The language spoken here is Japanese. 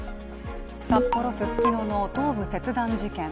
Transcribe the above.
札幌・ススキノの頭部切断事件。